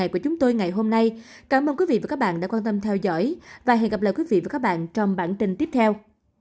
cảm ơn các bạn đã theo dõi và hẹn gặp lại trong các bản tin tiếp theo